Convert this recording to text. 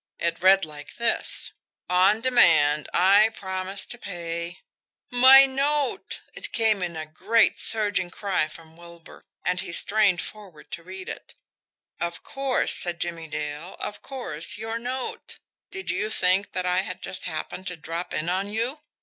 "It reads like this: 'On demand, I promise to pay '" "My note!" It came in a great, surging cry from Wilbur; and he strained forward to read it. "Of course," said Jimmie Dale. "Of course your note. Did you think that I had just happened to drop in on you?